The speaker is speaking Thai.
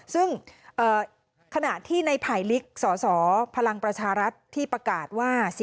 ซึ่งขณะที่ในไผลลิกสสพลังประชารัฐที่ประกาศว่า